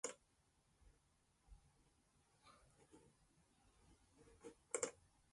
It is widely grown as an ornamental plant in gardens.